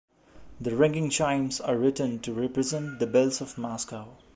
The ringing chimes are written to represent the bells of Moscow.